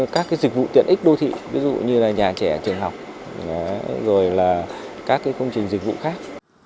các dịch vụ tiện ích đô thị ví dụ như là nhà trẻ trường học rồi là các cái công trình dịch vụ khác